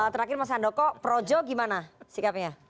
terakhir mas handoko projo gimana sikapnya